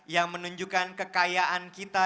yang menunjukkan kekayaan kita